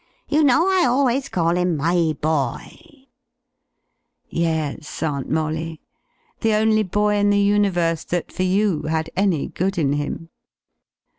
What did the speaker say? You know I always call him my boy." (Yes, Aunt Molly, the only boy in the universe that, for you, had any good in him.)